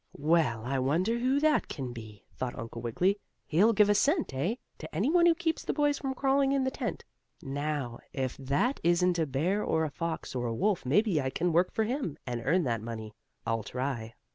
"Well, I wonder who that can be?" thought Uncle Wiggily. "He'll give a cent, eh? to any one who keeps the boys from crawling in the tent. Now, if that isn't a bear or a fox or a wolf maybe I can work for him, and earn that money. I'll try."